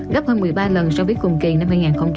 gấp hơn một mươi ba lần so với cùng kỳ năm hai nghìn hai mươi hai